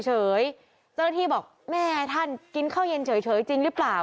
เจ้าหน้าที่บอกแม่ท่านกินข้าวเย็นเฉยจริงหรือเปล่า